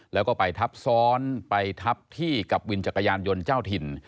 แล้วก็ไปทับซ้อนไปทับที่กับวินจักรยานยนต์เจ้าถิ่น